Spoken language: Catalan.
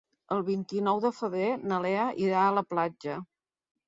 El vint-i-nou de febrer na Lea irà a la platja.